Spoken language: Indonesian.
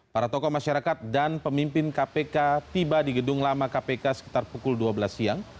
para tokoh masyarakat dan pemimpin kpk tiba di gedung lama kpk sekitar pukul dua belas siang